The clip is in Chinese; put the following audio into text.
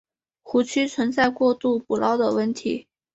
湖区存在过度捕捞的问题。